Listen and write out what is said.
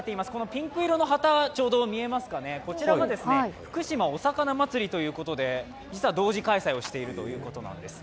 ピンク色の旗ですねこちらはふくしまお魚まつりということで、実は同時開催をしているということなんです。